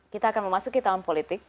kita akan memasuki tahun politik